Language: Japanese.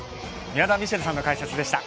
宮澤ミシェルさんの解説でした。